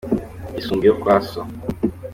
isumba iyo kwa so?